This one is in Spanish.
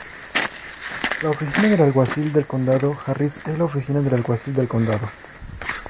La Oficina del Alguacil del Condado Harris es la oficina del alguacil del condado.